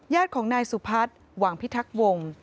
ญาติของนายสุพัฒน์หวังพิทักษ์วงศ์